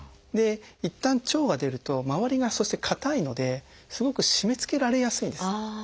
いったん腸が出るとまわりがそしてかたいのですごく締めつけられやすいんですね。